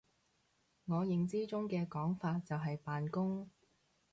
我認知中嘅講法就係扮工！